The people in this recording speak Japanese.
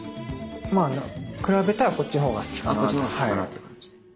まあ比べたらこっちのほうが好きかなと。